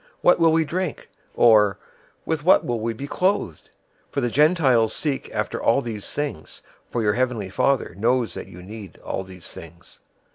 'What will we drink?' or, 'With what will we be clothed?' 006:032 For the Gentiles seek after all these things, for your heavenly Father knows that you need all these things.